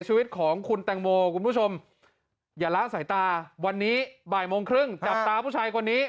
ในชีวิตของคุณแต๊งโบคุณผู้ชม